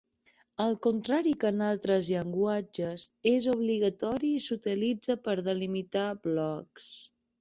Al contrari que en altres llenguatges, és obligatori i s'utilitza per delimitar blocs.